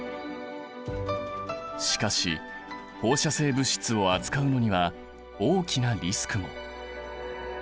しかし放射性物質を扱うのには大きなリスクも。